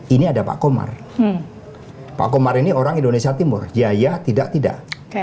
ini ada pak komar pak komar ini orang indonesia timur jaya tidak tidak